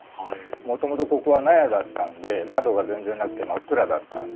もともとここは納屋だったんで窓が全然なくて真っ暗だったんですね。